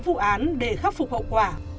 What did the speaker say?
vụ án để khắc phục hậu quả